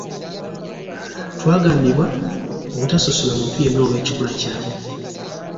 Twagambibwa obutasosola muntu yenna olw'ekikula kyabwe.